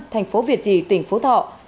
tp việt trì tỉnh phú thọ